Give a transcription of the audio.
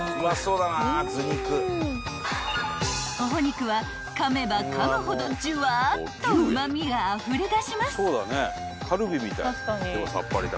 ［ほほ肉はかめばかむほどじゅわっとうま味があふれ出します］